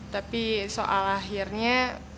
tapi soal akhirnya